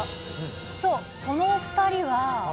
そう、この２人は。